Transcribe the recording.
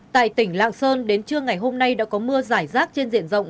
tại tỉnh lạng sơn đến trưa ngày hôm nay đã có mưa giải rác trên diện rộng